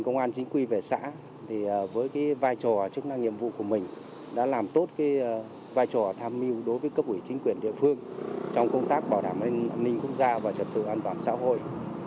công an chính quy về xã với vai trò chức năng nhiệm vụ của mình đã làm tốt cái vai trò tham mưu đối với cấp ủy chính quyền địa phương trong công tác bảo đảm an ninh quốc gia và trật tự an toàn xã hội